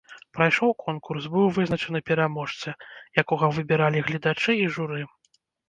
Прайшоў конкурс, быў вызначаны пераможца, якога выбіралі гледачы і журы.